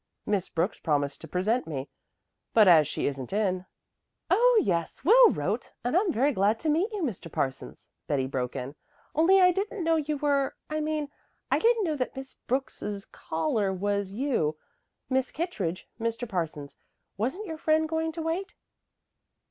Miss Brooks promised to present me, but as she isn't in " "Oh, yes, Will wrote, and I'm very glad to meet you, Mr. Parsons," Betty broke in. "Only I didn't know you were I mean I didn't know that Miss Brooks's caller was you. Miss Kittredge, Mr. Parsons. Wasn't your friend going to wait?"